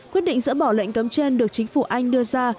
quyết định dỡ bỏ lệnh cấm trên được chính phủ anh đưa ra